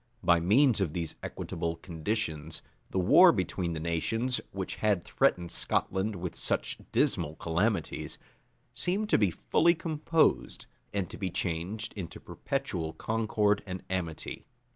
[*] By means of these equitable conditions, the war between the nations, which had threatened Scotland with such dismal calamities, seemed to be fully composed, and to be changed into perpetual concord and amity.